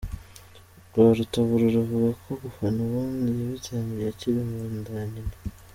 Rwarutabura avuga ko gufana ubundi yabitangiye akiri mu nda ya nyina.